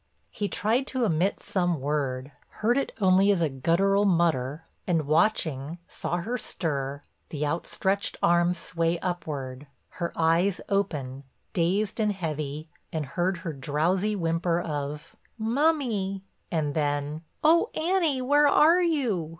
He tried to emit some word, heard it only as a guttural mutter, and watching, saw her stir, the out stretched arm sway upward, her eyes open, dazed and heavy, and heard her drowsy whimper of, "Mummy," and then, "Oh, Annie, where are you?"